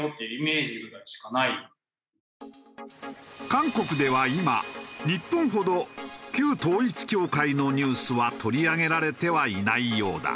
韓国では今日本ほど旧統一教会のニュースは取り上げられてはいないようだ。